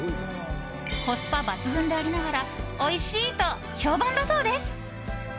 コスパ抜群でありながらおいしいと評判だそうです。